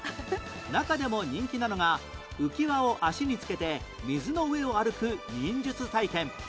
中でも人気なのが浮き輪を足につけて水の上を歩く忍術体験